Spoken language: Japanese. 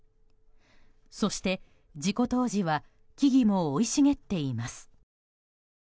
そして、事故当時は木々も生い茂っています。